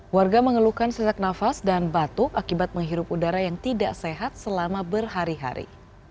warga mengeluhkan sesak nafas dan batuk akibat menghirup udara yang tidak sehat selama berhari hari